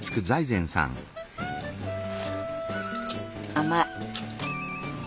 ・甘い？